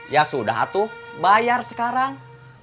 ya sudah atuh bayar sekarang